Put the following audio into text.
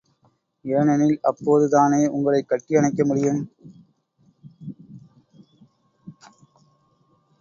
ஏனெனில் அப்போது தானே உங்களைக் கட்டி அணைக்க முடியும்.